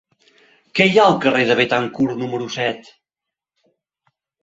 Què hi ha al carrer de Béthencourt número set?